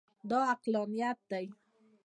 دا عقلانیت دی.